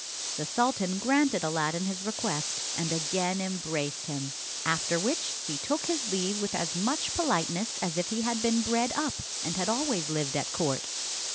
The sultan granted Aladdin his request, and again embraced him. After which he took his leave with as much politeness as if he had been bred up and had always lived at court.